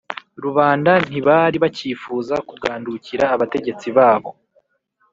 rubanda ntibari bacyifuza kugandukira abategetsi babo